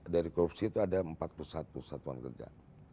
dari korupsi itu ada empat puluh satu satuan kerja